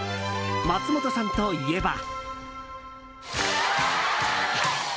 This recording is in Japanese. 松本さんといえば。